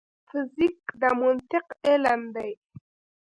فزیک د منطق علم دی